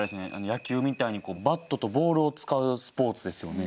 野球みたいにバットとボールを使うスポーツですよね。